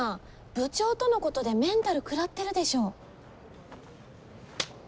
部長とのことでメンタル食らってるでしょ。